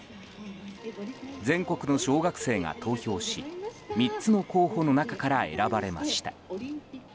全国の小学生が投票し、３つの候補の中から選ばれました。